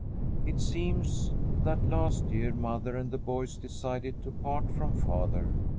It seems that, last year, mother and the boys decided to part from father.